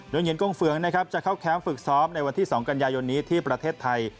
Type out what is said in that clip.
โดยเหงียกงเฟืองนะครับจะเข้าแคมป์ฝึกซ้อมในวันที่๒กันยายนนี้ที่ประเทศไทย